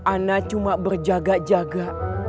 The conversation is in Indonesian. ana cuma berjaga jaga